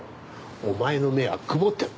お前の目は曇ってる。